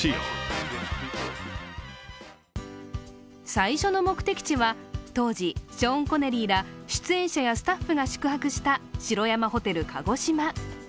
最初の目的地は、当時、ショーン・コネリーら出演者やスタッフが宿泊した城山ホテル鹿児島。